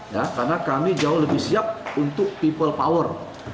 ya karena kami jauh lebih siap untuk people power